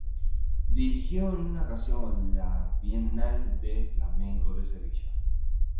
Dirigió en una ocasión la Bienal de Flamenco de Sevilla.